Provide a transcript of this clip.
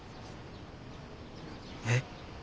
えっ？